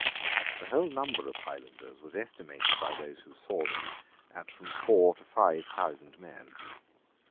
The whole number of Highlanders was estimated by those who saw them at from four to five thousand men.